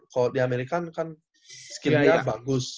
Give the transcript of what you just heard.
kalau di amerika kan skillnya bagus